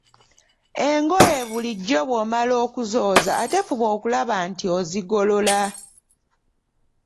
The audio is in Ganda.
Engoye bulijjo bw'omala okuzooza ate fuba okulaba nti ozigolola.